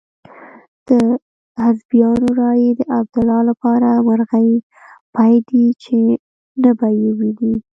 د حزبیانو رایې د عبدالله لپاره مرغۍ پۍ دي چې نه به يې وویني.